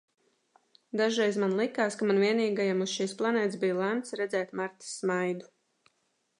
Dažreiz man likās, ka man vienīgajam uz šīs planētas bija lemts redzēt Martas smaidu.